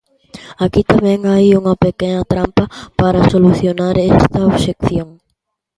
Aquí tamén hai unha pequena trampa para solucionar esta obxección.